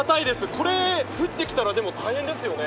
これ降ってきたら大変ですよね。